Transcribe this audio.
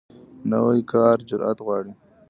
نوی کار جرئت غواړي